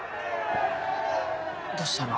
どしたの？